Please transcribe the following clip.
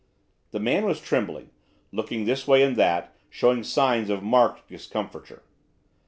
The man was trembling, looking this way and that, showing signs of marked discomfiture.